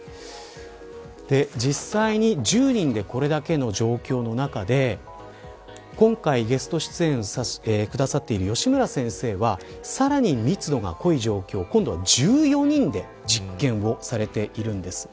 実際に１０人いてこれだけの状況の中で今回ゲスト出演してくださっている吉村先生はさらに密度が濃い状況１４人で実験をされています。